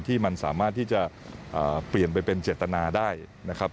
ที่มันสามารถที่จะเปลี่ยนไปเป็นเจตนาได้นะครับ